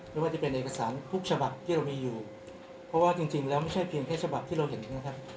ไม่ว่าจะเป็นเอกสารทุกฉบับที่เรามีอยู่เพราะว่าจริงแล้วไม่ใช่เพียงแค่ฉบับที่เราเห็นนะครับ